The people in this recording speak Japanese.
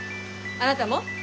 あなたも？